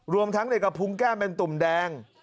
รวมทั้งเหล็กกระพุงแก้มเป็นตุ่มแดง